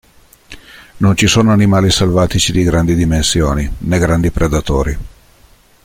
Non ci sono animali selvatici di grandi dimensioni, né grandi predatori.